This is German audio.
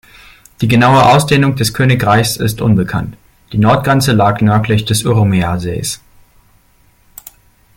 Die genaue Ausdehnung des Königreichs ist unbekannt, die Nordgrenze lag nördlich des Urmiasees.